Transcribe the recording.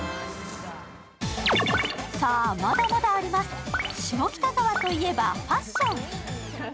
まだまだあります、下北沢といえばファッション。